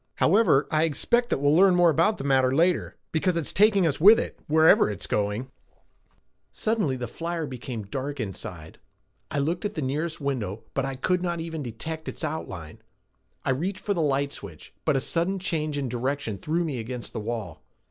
However, I expect that we'll learn more about the matter later because it's taking us with it, wherever it's going." Suddenly the flyer became dark inside. I looked at the nearest window, but I could not even detect its outline. I reached for the light switch, but a sudden change in direction threw me against the wall.